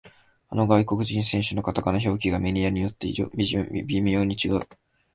あの外国人選手のカタカナ表記がメディアによって微妙に違う